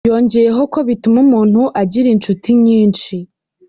Yongeyeho ko bituma umuntu agira inshuti nyinshi.